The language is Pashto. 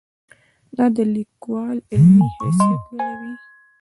دا د لیکوال علمي حیثیت لوړوي.